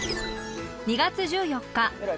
２月１４日